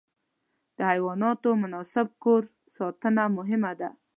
د حیواناتو مناسب کور ساتنه مهمه ده.